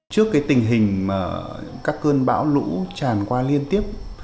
trước cái tình hình mà các cơn bão lũ tràn qua liên tiếp